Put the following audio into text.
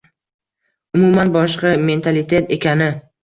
— Umuman boshqa mentalitet ekani.